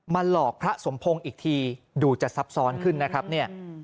หลอกพระสมพงศ์อีกทีดูจะซับซ้อนขึ้นนะครับเนี่ย